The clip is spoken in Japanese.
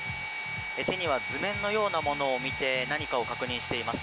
手には図面のようなものを見て何かを確認しています。